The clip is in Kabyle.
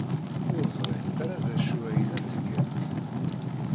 Ur ẓrint ara d acu ay la ttgent.